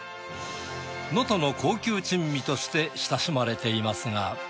能登の高級珍味として親しまれていますが。